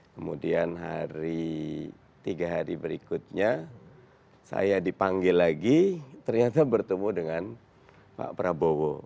kemudian hari tiga hari berikutnya saya dipanggil lagi ternyata bertemu dengan pak prabowo